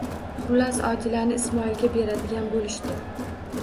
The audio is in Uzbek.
Xullas, Odilani Ismoilga beradigan bo'lishdi.